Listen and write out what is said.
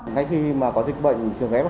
ngay khi mà có dịch bệnh trường ghép